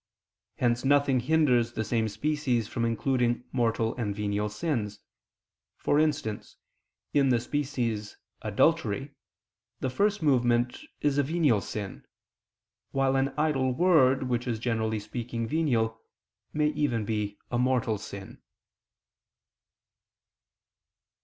Hence nothing hinders the same species from including mortal and venial sins; for instance, in the species "adultery" the first movement is a venial sin; while an idle word, which is, generally speaking, venial, may even be a mortal sin.